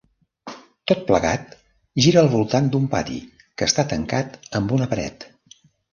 Tot plegat gira al voltant d'un pati que està tancat amb una paret.